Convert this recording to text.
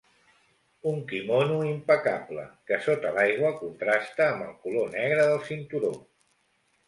Un quimono impecable, que sota l'aigua contrasta amb el color negre del cinturó.